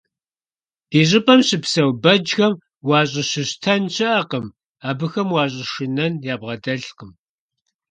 Ди щIыпIэм щыпсэу бэджхэм уащIыщыщтэн щыIэкъым, абыхэм ущIэшынэн ябгъэдэлъкъым.